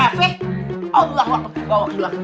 allah wakil bawa keluar